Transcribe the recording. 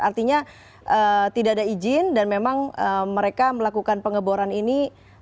artinya tidak ada izin dan memang mereka melakukan pengeboran ini